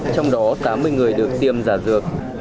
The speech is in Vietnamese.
trong đó tám mươi người được tiêm giả dược